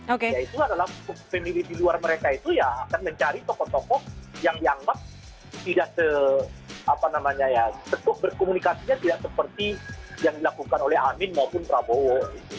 yaitu adalah pemilih di luar mereka itu ya akan mencari tokoh tokoh yang dianggap tidak berkomunikasinya tidak seperti yang dilakukan oleh amin maupun prabowo